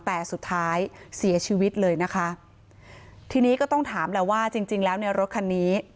แต่สุดท้ายเสียชีวิตเลยนะคะทีนี้ก็ต้องถามแล้วว่าจริงจริงแล้วในรถคันนี้